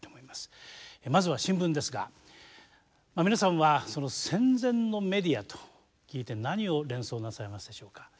まずは新聞ですが皆さんは戦前のメディアと聞いて何を連想なさいますでしょうか。